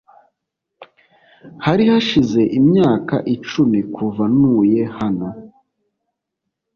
Hari hashize imyaka icumi kuva ntuye hano.